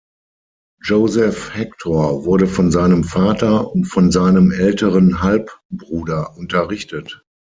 Joseph-Hector wurde von seinem Vater und von seinem älteren Halbbruder unterrichtet.